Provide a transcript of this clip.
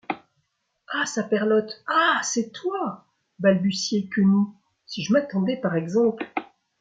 Ah ! saperlotte, ah ! c’est toi, balbutiait Quenu, si je m’attendais, par exemple !...